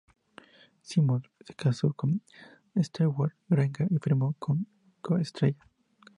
Simmons se casó con Stewart Granger y firmó como co-estrella.